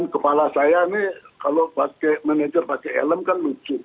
kepala saya ini kalau sebagai manajer sebagai elemen lucu